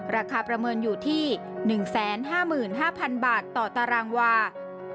ประเมินอยู่ที่๑๕๕๐๐๐บาทต่อตารางวา